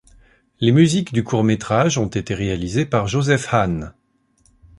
Les musiques du court-métrage ont été réalisées par Joseph Hahn.